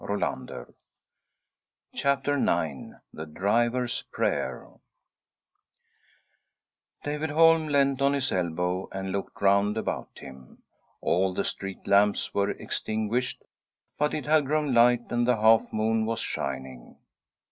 •• 1 THE DRIVER S PRAYER David Holm leant on his elbow and looked round about him. All the street lamps were extinguished, but it had grown light, and the half moon was shining.